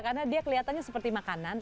karena dia kelihatannya seperti makanan